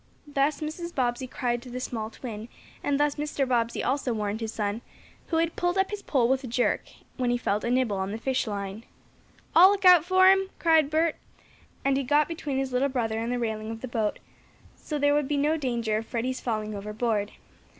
Thus Mrs. Bobbsey cried to the small twin, and thus Mr. Bobbsey also warned his son, who had pulled up his pole with a jerk, when he felt a nibble on the fish line. "I'll look out for him!" cried Bert, and he got between his little brother and the railing of the boat, so there would be no danger of Freddie's falling overboard.